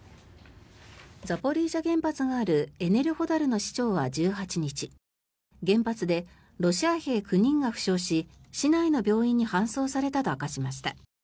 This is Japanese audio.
ザポリージャ原発があるエネルホダルの市長は１８日原発でロシア兵９人が負傷し市内の病院に搬送されたと明かしました。